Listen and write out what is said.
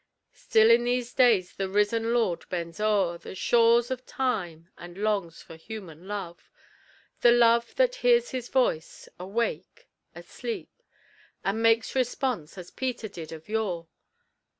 Still in these days the risen Lord bends o'er The shores of time, and longs for human love; The love that hears his voice, awake, asleep, And makes response as Peter did of yore.